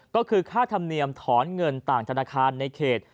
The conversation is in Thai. ก็คือค่าธรรมเนียมถอนเงินต่างธนาคารในเขต